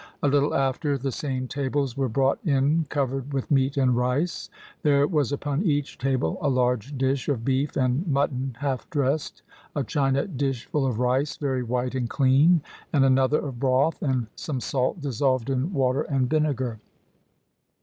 A little after, the same tables were brought in covered with meat and rice. There was upon each table a large dish of beef and mutton half dressed, a china dish full of rice, very white and clean, and another of broth, and some salt dissolved in water and vinegar.